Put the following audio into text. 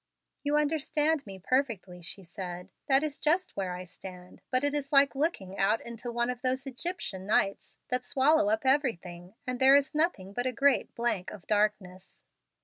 "You understand me perfectly," she said. "That is just where I stand; but it is like looking out into one of those Egyptian nights that swallow up everything, and there is nothing but a great blank of darkness."